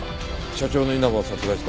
社長の稲葉を殺害した